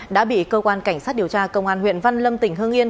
đã bị cơ quan cảnh sát điều tra công an huyện văn lâm tỉnh hương yên